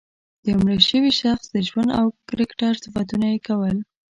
د مړه شوي شخص د ژوند او کرکټر صفتونه یې کول.